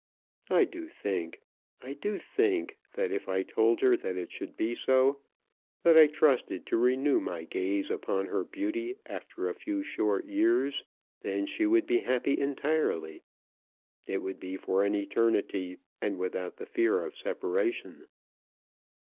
I do think, I do think, that if I told her that it should be so, that I trusted to renew my gaze upon her beauty after a few short years, then she would be happy entirely. It would be for an eternity, and without the fear of separation."